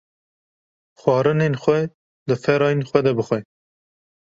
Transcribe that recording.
Xwarinên xwe di ferayên xwe de bixwe